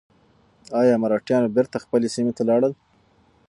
ایا مرهټیان بېرته خپلې سیمې ته لاړل؟